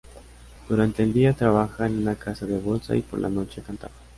Durante el día trabajaba en una casa de bolsa, y por la noche cantaba.